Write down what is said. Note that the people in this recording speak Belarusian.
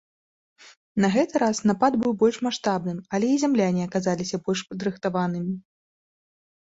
На гэты раз напад быў больш маштабным, але і зямляне аказаліся больш падрыхтаванымі.